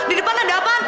di depan ada apaan